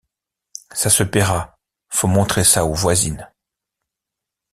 Ça se payera, faut montrer ça aux voisines...